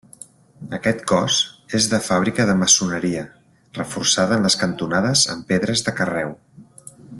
Aquest cos és de fàbrica de maçoneria, reforçada en les cantonades amb pedres de carreu.